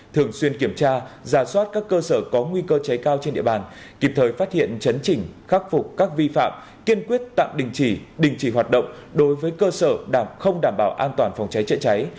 thường xuyên kiểm tra giả soát các cơ sở có nguy cơ cháy cao trên địa bàn kịp thời phát hiện chấn trình khắc phục các vi phạm kiên quyết tạm đình chỉ đình chỉ hoạt động đối với cơ sở đảm không đảm bảo an toàn phòng cháy chữa cháy